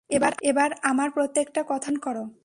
এবার, আমার প্রত্যেকটা কথা অনুসরণ কর।